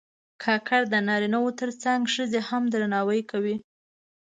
کاکړ د نارینه و تر څنګ ښځې هم درناوي کوي.